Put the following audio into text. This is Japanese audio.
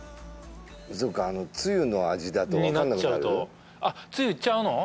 そっかつゆの味だとになっちゃうとあっつゆいっちゃうの？